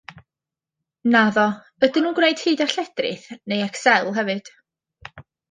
Naddo, ydyn nhw'n gwneud hyd a lledrith neu Excel hefyd?